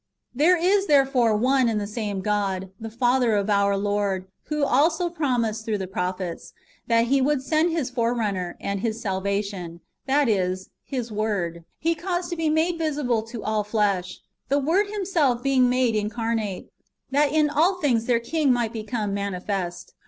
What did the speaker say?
"^ There is therefore one and the same God, the Father of our Lord, who also promised, through the prophets, that He would send His forerunner ; and His salvation — that is. His Word — He caused to be made visible to all flesh, [the Word] Him self being made incarnate, that in all things their King might become manifest.